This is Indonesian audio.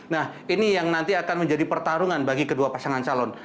nah ini yang nanti akan menjadi pertarungan bagi kedua pasangan calon